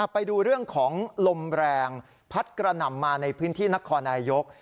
ไปดูเรื่องของลมแรงพัดกระหน่ำมาในพื้นที่นครนายก